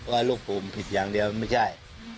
ว่าลูกผมผิดอย่างเดียวไม่ใช่